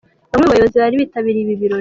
Bamwe mu bayobozi bari bitabiriye ibi birori.